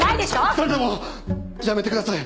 ２人ともやめてください！